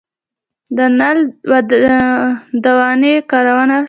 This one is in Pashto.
د نل دوانۍ کارونه شته